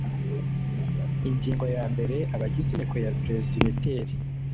ingingo ya mbere abagize inteko ya peresibiteri